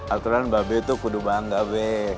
aturan babi itu kudu bangga be